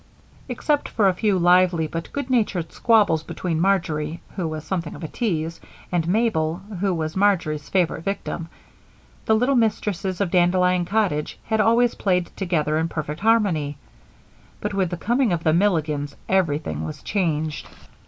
Except for a few lively but good natured squabbles between Marjory, who was something of a tease, and Mabel, who was Marjory's favorite victim, the little mistresses of Dandelion Cottage had always played together in perfect harmony; but with the coming of the Milligans everything was changed.